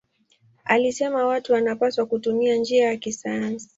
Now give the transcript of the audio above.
Alisema watu wanapaswa kutumia njia ya kisayansi.